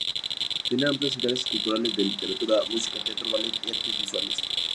Tenía amplios intereses culturales de literatura, música, teatro, ballet y artes visuales.